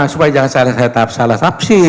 supaya jangan salah sapsir